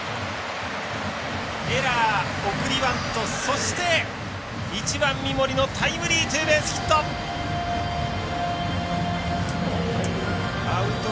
エラー、送りバントそして１番、三森のタイムリーツーベースヒット！